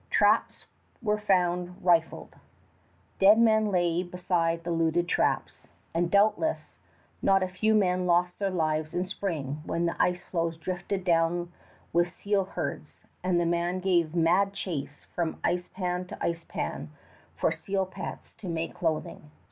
Traps were found rifled. Dead men lay beside the looted traps; and, doubtless, not a few men lost their lives in spring when the ice floes drifted down with the seal herds, and the men gave mad chase from ice pan to ice pan for seal pelts to make clothing.